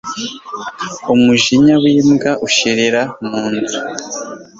umujinya w'imbwa ushirira mu nzu